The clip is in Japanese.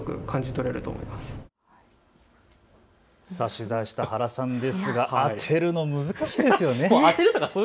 取材した原さんですが当てるの難しいですよね。